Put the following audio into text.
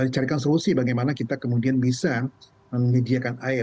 carikan solusi bagaimana kita kemudian bisa menyediakan air